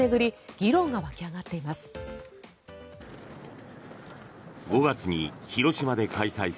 議論が沸き上がっています。